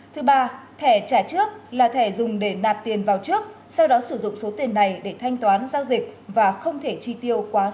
thứ ba thẻ trả trước là thẻ dùng để nạp tiền vào trước sau đó sử dụng số tiền này để thanh toán giao dịch và không thể chi tiêu quá số tiền